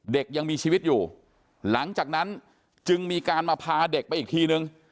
ยังมีชีวิตอยู่หลังจากนั้นจึงมีการมาพาเด็กไปอีกทีนึง